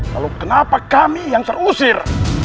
lalu kenapa kami yang terusir